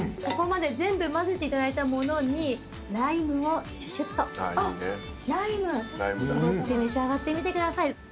ここまで全部まぜていただいたものにライムをシュシュッと搾って召し上がってみてください。